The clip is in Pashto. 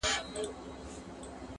بیا حملې سوې د بازانو شاهینانو!!